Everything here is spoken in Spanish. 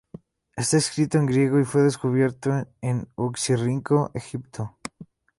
Está escrito en griego, y fue descubierto en Oxirrinco, Egipto.